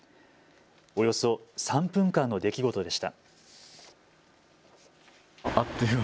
およそ３分間の出来事でした。